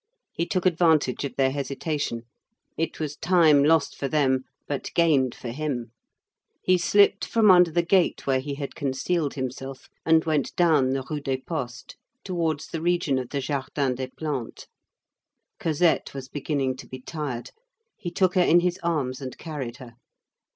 He took advantage of their hesitation. It was time lost for them, but gained for him. He slipped from under the gate where he had concealed himself, and went down the Rue des Postes, towards the region of the Jardin des Plantes. Cosette was beginning to be tired. He took her in his arms and carried her.